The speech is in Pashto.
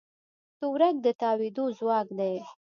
تورک د تاوېدو ځواک دی.